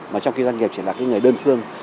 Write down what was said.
mà trong khi doanh nghiệp chỉ là cái người đơn phương